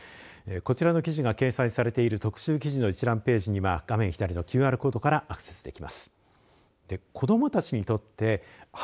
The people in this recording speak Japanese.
こちらの記事が掲載されている特集記事の一覧ページには画面左のＱＲコードからアクセスできます。